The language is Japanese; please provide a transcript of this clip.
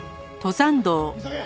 急げ！